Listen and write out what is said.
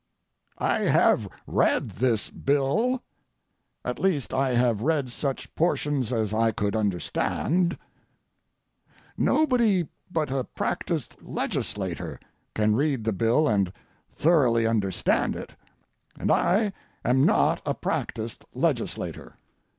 I have read this bill. At least I have read such portions as I could understand. Nobody but a practised legislator can read the bill and thoroughly understand it, and I am not a practised legislator.